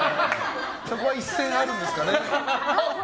そこは一線があるんですかね。